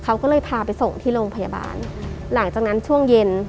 เขาก็เลยพาไปส่งที่โรงพยาบาลหลังจากนั้นช่วงเย็น